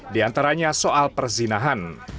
di antaranya soal perzinahan